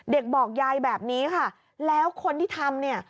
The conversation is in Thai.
บอกยายแบบนี้ค่ะแล้วคนที่ทำเนี่ย